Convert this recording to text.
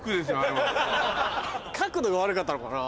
角度が悪かったのかな？